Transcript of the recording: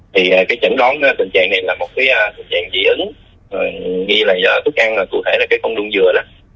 thì cái chẩn đoán tình trạng này là một cái tình trạng dị ứng ghi là tức ăn cụ thể là cái con đun dừa đó